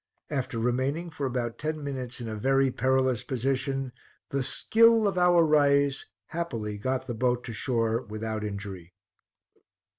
After remaining for about ten minutes in a very perilous position, the skill of our Rais happily got the boat to shore without injury.